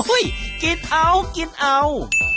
อุ้ยกินเอา